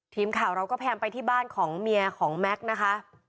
ทีมข่าวเราก็พยายามไปที่บ้านของเมียของแม็กซ์นะคะ